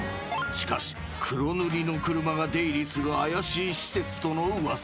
［しかし黒塗りの車が出入りする怪しい施設との噂も］